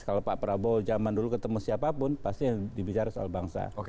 kalau pak prabowo zaman dulu ketemu siapapun pasti dibicara soal bangsa